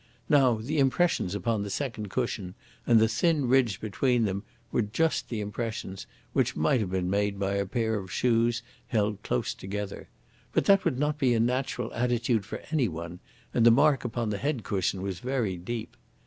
Now, the impressions upon the second cushion and the thin ridge between them were just the impressions which might have been made by a pair of shoes held close together. But that would not be a natural attitude for any one, and the mark upon the head cushion was very deep.